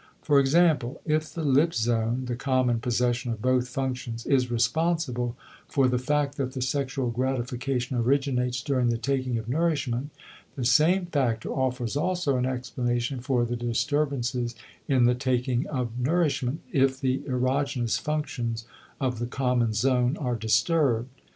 For example, if the lip zone, the common possession of both functions, is responsible for the fact that the sexual gratification originates during the taking of nourishment, the same factor offers also an explanation for the disturbances in the taking of nourishment if the erogenous functions of the common zone are disturbed.